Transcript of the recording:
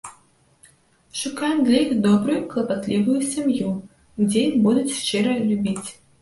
Шукаем для іх добрую клапатлівую сям'ю, дзе іх будуць шчыра любіць.